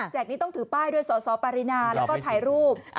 นี้ต้องถือป้ายด้วยสสปารินาแล้วก็ถ่ายรูป